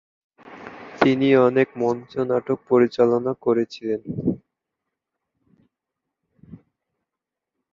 তিনি অনেক মঞ্চ নাটক পরিচালনা করেছিলেন।